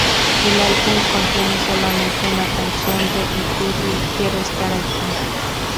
El álbum contiene solamente una canción de Iturri: "Quiero estar aquí".